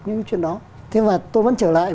những cái chuyện đó thế và tôi vẫn trở lại